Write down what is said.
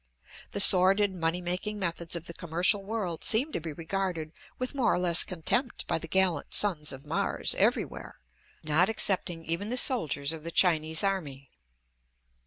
The sordid money making methods of the commercial world seem to be regarded with more or less contempt by the gallant sons of Mars everywhere, not excepting even the soldiers of the Chinese army.